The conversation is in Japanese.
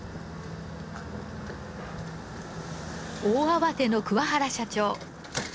大慌ての桑原社長。